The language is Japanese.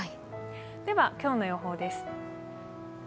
では今日の予報です。